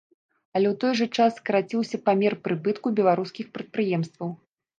Але ў той жа час скараціўся памер прыбытку беларускіх прадпрыемстваў.